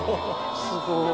すごい。